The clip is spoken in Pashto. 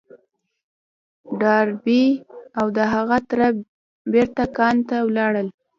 ډاربي او د هغه تره بېرته کان ته ولاړل.